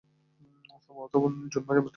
তার মামাতো বোন জুন মাসে মৃত্যুবরণ করে।